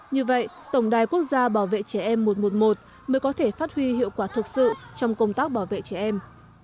như vậy tổng đài quốc gia bảo vệ trẻ em một trăm một mươi một mới có thể phát huy hiệu quả thực sự trong công tác bảo vệ trẻ em